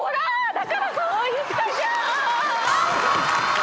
だからそう言ったじゃん！